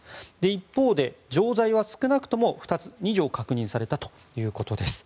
一方で錠剤は少なくとも２錠確認されたということです。